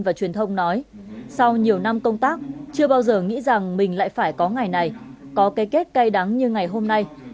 và truyền thông nói sau nhiều năm công tác chưa bao giờ nghĩ rằng mình lại phải có ngày này có cái kết cay đắng như ngày hôm nay